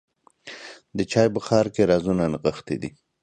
د چای بخار کې رازونه نغښتي دي.